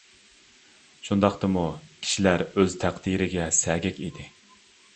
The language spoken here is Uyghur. شۇنداقتىمۇ، كىشىلەر ئۆز تەقدىرىگە سەگەك ئىدى.